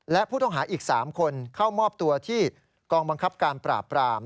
และผู้ต้องหาอีก๓คนเข้ามอบตัวที่กองบังคับการปราบปราม